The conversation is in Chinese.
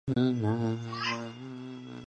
任太平府教授。